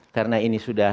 karena ini sudah